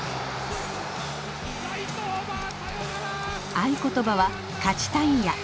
合言葉は「勝ちたいんや」。